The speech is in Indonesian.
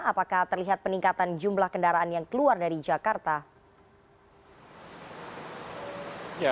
apakah terlihat peningkatan jumlah kendaraan yang keluar dari jakarta